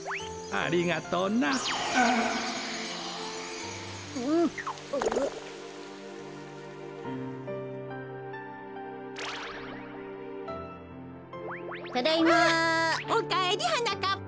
あっおかえりはなかっぱ。